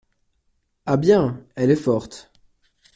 Ah bien ! elle est forte !